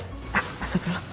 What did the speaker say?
masuk ya allah